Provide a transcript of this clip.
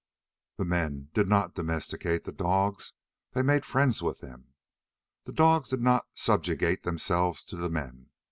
The men did not domesticate the dogs. They made friends with them. The dogs did not subjugate themselves to the men.